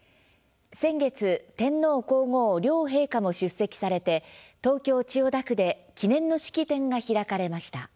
先月天皇、皇后両陛下も出席されて東京・千代田区で記念の式典が開かれました。